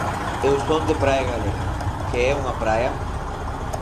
Eu son de praia galega, que é unha praia...